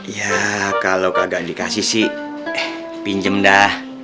ya kalau kagak dikasih sih pinjem dah